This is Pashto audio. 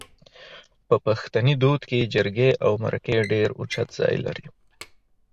په پښتني دود کې جرګې او مرکې ډېر اوچت ځای لري